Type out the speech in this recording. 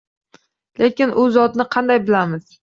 Lekin u zotni qanday bilamiz?